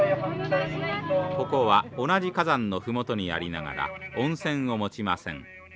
ここは同じ火山の麓にありながら温泉を持ちません。